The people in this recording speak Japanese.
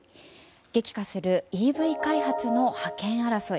激化するＥＶ開発の覇権争い。